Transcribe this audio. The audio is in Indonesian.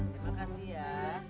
terima kasih ya